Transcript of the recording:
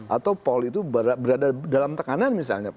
atau paul itu berada dalam tekanan misalnya